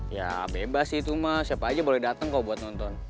ya bebas sih itu mas siapa aja boleh datang kok buat nonton